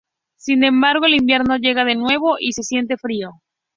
Sin embargo, el invierno llega de nuevo, y se siente frío.